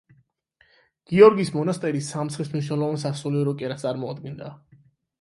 გიორგის მონასტერი სამცხის მნიშვნელოვან სასულიერო კერას წარმოადგენდა.